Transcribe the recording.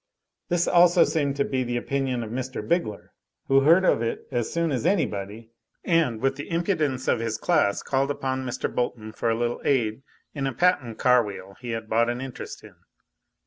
This also seemed to be the opinion of Mr. Bigler, who heard of it as soon as anybody, and, with the impudence of his class called upon Mr. Bolton for a little aid in a patent car wheel he had bought an interest in.